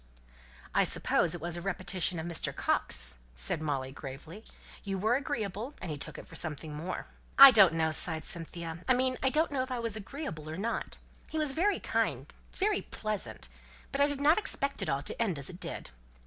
"I suppose it was a repetition of Mr. Coxe," said Molly, gravely. "You were agreeable, and he took it for something more." "I don't know," sighed Cynthia. "I mean I don't know if I was agreeable or not. He was very kind very pleasant but I did not expect it all to end as it did.